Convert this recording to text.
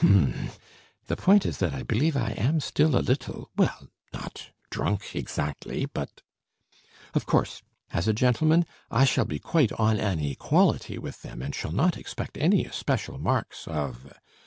H'm ... the point is that I believe I am still a little, well, not drunk exactly, but ... "Of course, as a gentleman I shall be quite on an equality with them, and shall not expect any especial marks of....